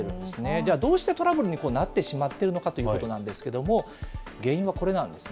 じゃあ、どうしてトラブルになってしまっているのかということなんですけれども、原因はこれなんですね。